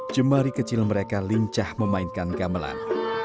jemari kecil mereka lincah memainkan gamelan